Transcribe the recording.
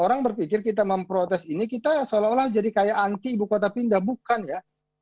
orang berpikir kita memprotes ini kita seolah olah jadi kayak anti ibu kota pindah bukan ya